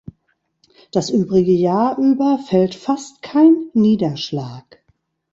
Das übrige Jahr über fällt fast kein Niederschlag.